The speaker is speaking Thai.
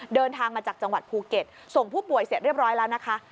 เดินทางมาจากจังหวัดภูเก็ตส่งผู้ป่วยเสร็จเรียบร้อยแล้วนะคะ